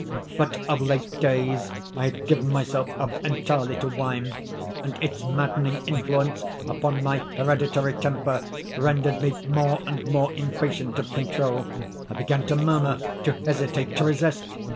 But, of late days, I had given myself up entirely to wine; and its maddening influence upon my hereditary temper rendered me more and more impatient of control. I began to murmur,—to hesitate,—to resist.